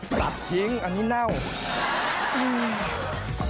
ปรับทิ้งอันนี้เหน่า